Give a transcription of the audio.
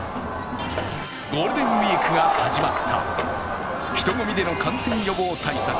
ゴールデンウイークが始まった人混みでの感染予防対策